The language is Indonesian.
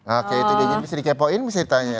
oke itu bisa dikepoin bisa ditanya